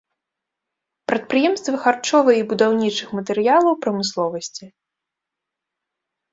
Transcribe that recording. Прадпрыемствы харчовай і будаўнічых матэрыялаў прамысловасці.